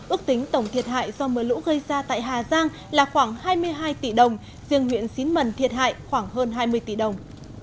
ước tính tổng thiệt hại do mưa lũ gây ra tại hà giang là khoảng hai mươi hai tỷ đồng riêng huyện xín mần thiệt hại khoảng hơn hai mươi tỷ đồng